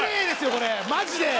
これマジで。